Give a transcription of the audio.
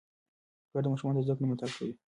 پلار د ماشومانو د زده کړې ملاتړ کوي.